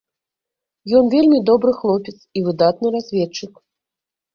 Ён вельмі добры хлопец і выдатны разведчык.